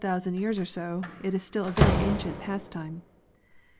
thousand years or so, it is still a very ancient pastime.